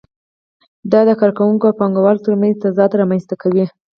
دا د کارګرانو او پانګوالو ترمنځ تضاد رامنځته کوي